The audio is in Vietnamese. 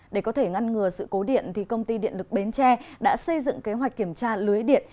để có thể ngăn ngừa sự cố điện công ty điện lực bến tre đã xây dựng kế hoạch kiểm tra lưới điện